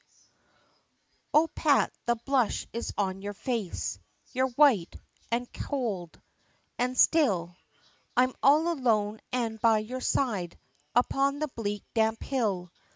] "O PAT, the blush is on your face, You're white, an' cowld an' still, I'm all alone, an' by your side, Upon the bleak damp hill.